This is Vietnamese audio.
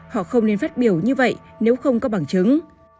họ không nên phát biểu như vậy nếu không có bằng chứng